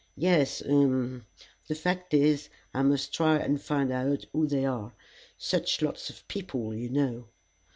"Yes uh the fact is, I must try and find out who they are; such lots of people, you know."